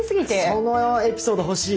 そのエピソード欲しい。